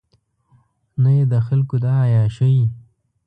نه یې د خلکو دا عیاشۍ.